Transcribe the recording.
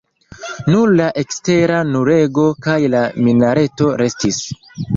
Nur la ekstera murego kaj la minareto restis.